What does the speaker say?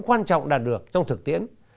quan trọng đạt được trong thực tiễn